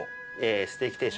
ステーキ定食。